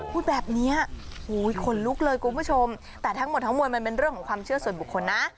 พูดแบบนี้ขนลุกเลยคุณผู้ชมแต่ทั้งหมดทั้งมวลมันเป็นเรื่องของความเชื่อส่วนบุคคลนะ